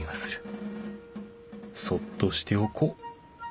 そっとしておこう。